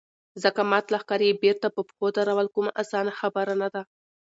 ځکه مات لښکر يې بېرته په پښو درول کومه اسانه خبره نه ده.